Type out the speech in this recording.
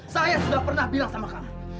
saya sudah pernah bilang sama kami